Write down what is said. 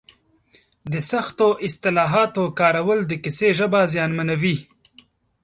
د سختو اصطلاحاتو کارول د کیسې ژبه زیانمنوي.